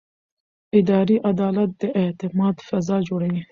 اداري عدالت د اعتماد فضا جوړوي.